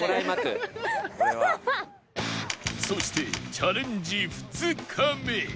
そしてチャレンジ２日目